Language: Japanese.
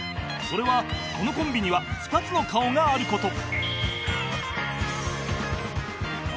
それはこのコンビには２つの顔がある事